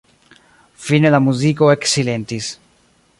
Fine la muziko eksilentis.